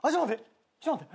ちょっと待って。